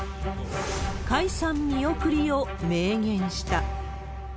解散見送りを明言した。